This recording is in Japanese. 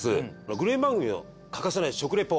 グルメ番組の欠かせない食レポ